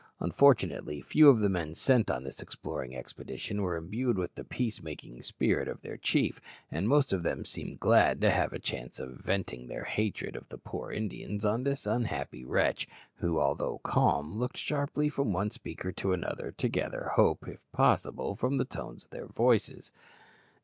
Unfortunately, few of the men sent on this exploring expedition were imbued with the peace making spirit of their chief, and most of them seemed glad to have a chance of venting their hatred of the poor Indians on this unhappy wretch, who, although calm, looked sharply from one speaker to another, to gather hope, if possible, from the tones of their voices.